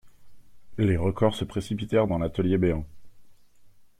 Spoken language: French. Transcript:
Les recors se précipitèrent dans l'atelier béant.